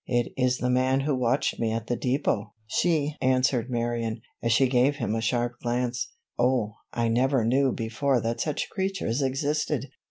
"It is the man who watched me at the depot," answered Marion, as she gave him a sharp glance. "Oh, I never knew before that such creatures existed!"